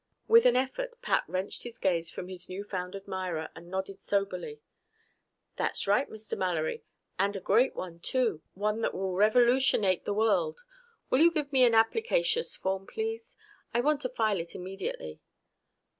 With an effort Pat wrenched his gaze from his new found admirer and nodded soberly. "That's right, Mr. Mallory. And a great one, too. One that will revolutionate the world. Will you give me an applicaceous form, please? I want to file it immediately."